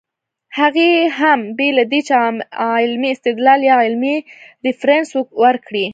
هغه هم بې له دې چې علمي استدلال يا علمي ريفرنس ورکړي